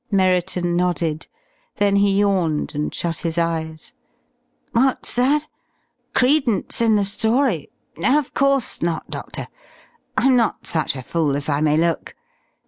Merriton nodded. Then he yawned and shut his eyes. "What's that? Credence in the story? Of course not, Doctor. I'm not such a fool as I may look.